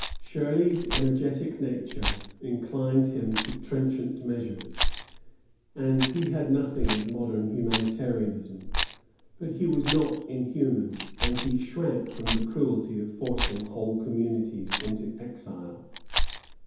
_] Shirley's energetic nature inclined him to trenchant measures, and he had nothing of modern humanitarianism; but he was not inhuman, and he shrank from the cruelty of forcing whole communities into exile.